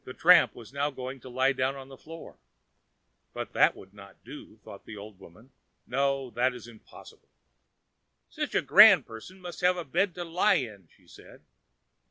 The tramp was now going to lie down on the floor. But that would never do, thought the old woman; no, that was impossible. "Such a grand person must have a bed to lie in," she said.